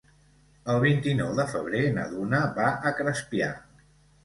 El vint-i-nou de febrer na Duna va a Crespià.